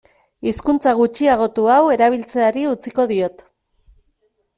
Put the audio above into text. Hizkuntza gutxiagotu hau erabiltzeari utziko diot.